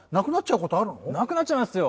なくなっちゃいますよ！